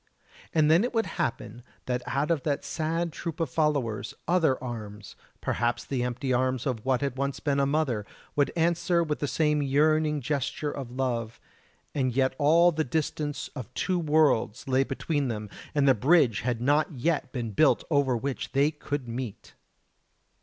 And then it would happen that out of that sad troop of followers other arms perhaps the empty arms of what had once been a mother would answer with the same yearning gesture of love, and yet all the distance of two worlds lay between them, and the bridge had not yet been built over which they could meet!